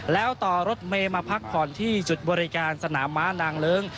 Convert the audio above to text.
แล้วต่อรถเมย์มาพักผ่อนที่จุดบริการสนามม้านางเลิ้ง